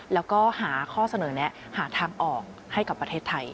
แล้วก็หาข้อเสนอแนะหาทางออกให้กับประเทศไทย